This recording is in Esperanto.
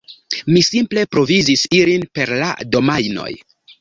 Mi simple provizis ilin per la domajnoj.